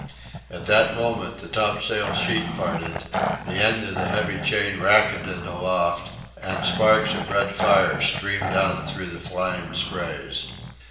At that moment the topsail sheet parted, the end of the heavy chain racketed aloft, and sparks of red fire streamed down through the flying sprays.